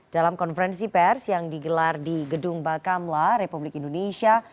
dalam konferensi pers yang digelar di gedung bakamla republik indonesia